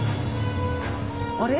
あれ？